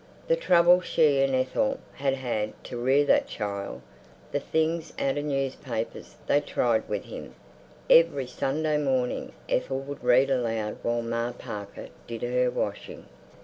The trouble she and Ethel had had to rear that child! The things out of the newspapers they tried him with! Every Sunday morning Ethel would read aloud while Ma Parker did her washing.